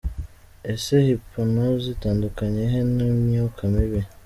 Ese hypnose itandukaniye he n’imyuka mibi?.